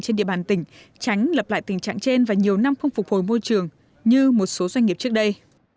trên địa bàn tỉnh tránh lập lại tình trạng trên và nhiều năm không phục hồi môi trường như một số doanh nghiệp trước đây